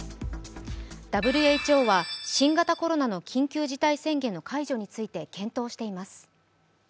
ＷＨＯは緊急事態宣言の解除について検討しています。